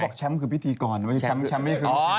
เขาบอกช้ำคือพิธีกรช้ำไม่คือลูกชิ้น